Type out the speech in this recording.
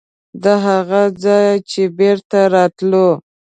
د هغه ځایه چې بېرته راتلو.